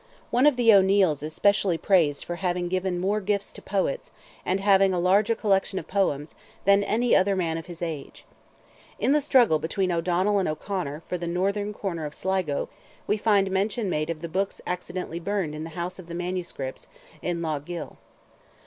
One of the O'Neils is specially praised for having given more gifts to poets, and having "a larger collection of poems" than any other man of his age. In the struggle between O'Donnell and O'Conor for the northern corner of Sligo, we find mention made of books accidentally burned in "the house of the manuscripts," in Lough Gill.